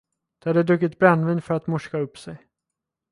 De hade druckit brännvin för att morska upp sig.